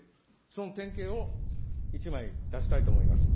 その典型を、１枚出したいと思います。